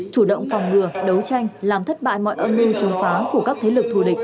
chủ động phòng ngừa đấu tranh làm thất bại mọi âm mưu chống phá của các thế lực thù địch